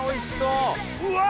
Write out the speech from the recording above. うわ！